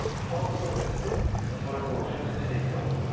その都度ですねそういうところを修正していくと。